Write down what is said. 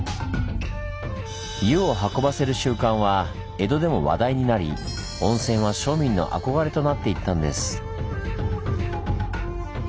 湯を運ばせる習慣は江戸でも話題になり温泉は庶民の憧れとなっていったんです。